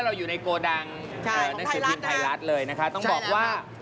เราอยู่ในโกดังใช่นักสืบทีมไทยรัฐเลยนะคะใช่แล้วต้องบอกว่า